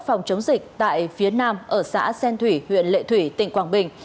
phòng chống dịch tại phía nam ở xã xen thủy huyện lệ thủy tỉnh quảng bình